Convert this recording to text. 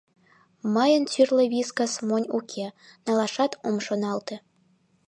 — Мыйын тӱрлӧ «Вискас» монь уке, налашат ом шоналте.